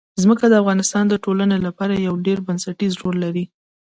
ځمکه د افغانستان د ټولنې لپاره یو ډېر بنسټيز رول لري.